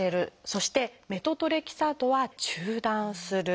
そしてメトトレキサートは中断する。